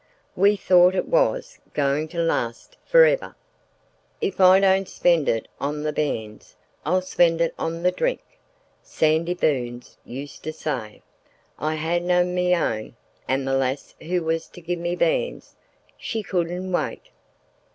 "We thought it was going to last for ever!" "If I don't spend it on the bairns I'll spend it on the drink," Sandy Burns used to say. "I ha' nane o' me own, an' the lass who was to gi' me bairns, she couldn't wait."